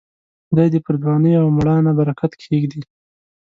خدای دې پر ځوانۍ او مړانه برکت کښېږدي.